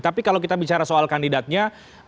tapi kalau kita bicara soal kandidatnya